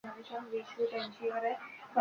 মেয়েটি আবার মাথা দুলিয়ে হাসল।